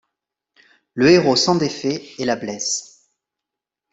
Le héros s’en défait et la blesse.